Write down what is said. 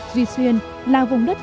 duy xuyên là vùng đất